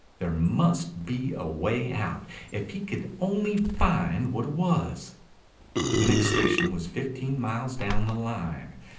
There must be a way out, if he could only find what it was. The next station was fifteen miles down the line.